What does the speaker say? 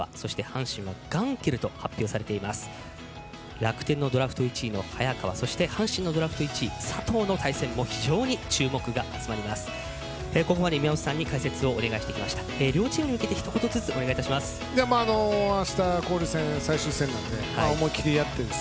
楽天のドラフト１位の早川阪神のドラフト１位佐藤の対決にも注目が集まります。